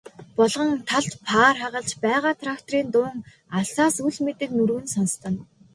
Булган талд паар хагалж байгаа тракторын дуун алсаас үл мэдэг нүргэн сонстоно.